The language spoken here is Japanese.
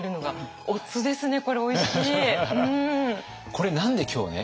これ何で今日ね